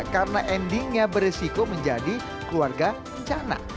karena endingnya beresiko menjadi keluarga rencana